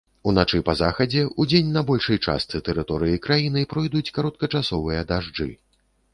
Уначы па захадзе, удзень на большай частцы тэрыторыі краіны пройдуць кароткачасовыя дажджы.